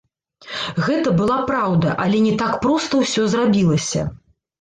Гэта была праўда, але не так проста ўсё зрабілася.